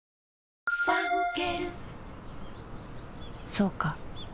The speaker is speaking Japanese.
そうか